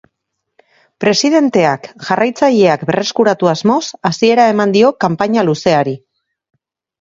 Presidenteak jarraitzaileak berreskuratu asmoz hasiera eman dio kanpaina luzeari.